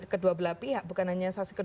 kedua belah pihak bukan hanya saksi